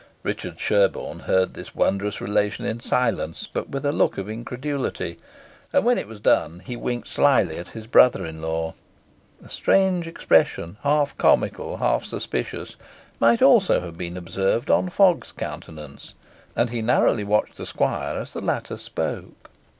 Richard Sherborne heard this wondrous relation in silence, but with a look of incredulity; and when it was done he winked slily at his brother in law. A strange expression, half comical, half suspicious, might also have been observed on Fogg's countenance; and he narrowly watched the squire as the latter spoke.